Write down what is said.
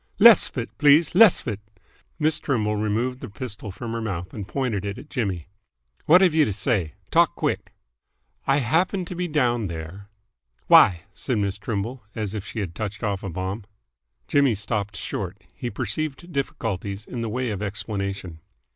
"Less 'f it, please. Less 'f it!" Miss Trimble removed the pistol from her mouth and pointed it at Jimmy. "What've you to say? Talk quick!" "I happened to be down there " "Why?" asked Miss Trimble, as if she had touched off a bomb. Jimmy stopped short. He perceived difficulties in the way of explanation.